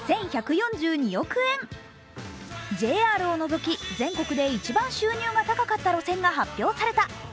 ＪＲを除き全国で一番収入が高かった路線が発表された。